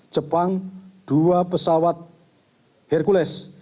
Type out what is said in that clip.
jepang dua pesawat hercules